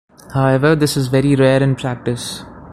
However, this is very rare in practice.